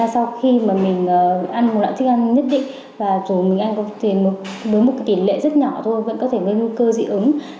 sau khi mình ăn một loại thức ăn nhất định và dù mình ăn với một kỷ lệ rất nhỏ thôi vẫn có thể gây nguyên cơ dị ứng